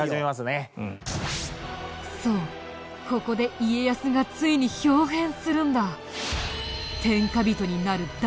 そうここで家康がついに豹変するんだ。